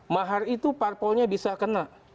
mahar itu parpolnya bisa kena